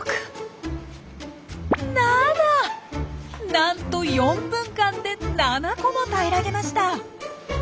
なんと４分間で７個も平らげました！